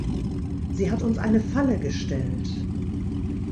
Sie hat uns eine Falle gestellt!